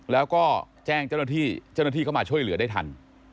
แล้วก็แจ้งเจ้าหน้าที่เข้ามาช่วยเหลือได้ทัน